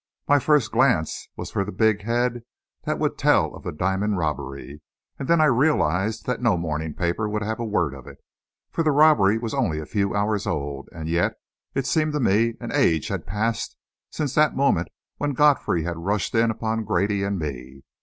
My first glance was for the big head that would tell of the diamond robbery; and then I realised that no morning paper would have a word of it. For the robbery was only a few hours old and yet, it seemed to me an age had passed since that moment when Godfrey had rushed in upon Grady and me.